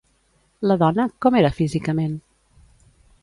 La dona, com era físicament?